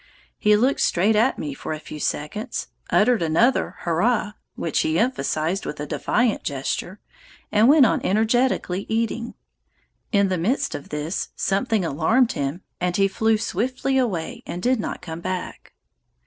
He looked straight at me for a few seconds, uttered another "Hurrah," which he emphasized with a defiant gesture, and went on energetically eating. In the midst of this, something alarmed him, and he flew swiftly away and did not come back.